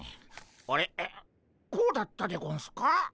こうだったでゴンスか？